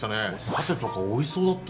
サテとかおいしそうだったよ。